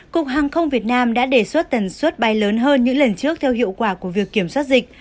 cục hàng không việt nam đã đề xuất tần suất bay lớn hơn những lần trước theo hiệu quả của việc kiểm soát dịch